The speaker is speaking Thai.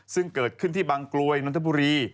ซึ่งเกิดขึ้นที่บางกลวยนนทบุรี